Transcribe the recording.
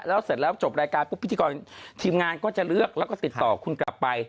แล้วเสร็จแล้วจบรายการปุ๊บพิธีกรทีมงานก็จะเลือกแล้วก็ติดต่อคุณกลับไป